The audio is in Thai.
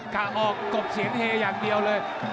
กะออกกบเสียงเฮอย่างเดียวเลย